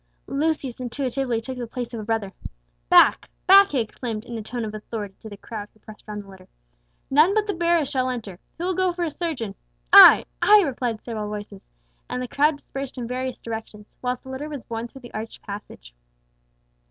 Lucius intuitively took the place of a brother. "Back back!" he exclaimed in a tone of authority to the crowd who pressed round the litter, "none but the bearers shall enter. Who will go for a surgeon?" "I I," replied several voices, and the crowd dispersed in various directions, whilst the litter was borne through the arched passage.